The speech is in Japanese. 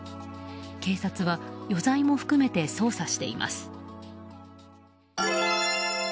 警察は余罪も含めて捜査しています。